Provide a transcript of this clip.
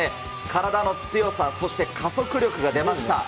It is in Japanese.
体の強さ、そして、加速力が出ました。